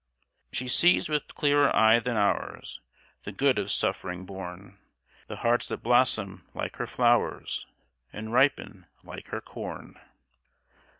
"She sees with clearer eye than ours The good of suffering born, The hearts that blossom like her flowers, And ripen like her corn."